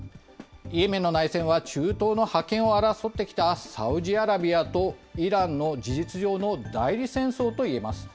イエメンの内戦は中東の覇権を争ってきたサウジアラビアとイランの事実上の代理戦争といえます。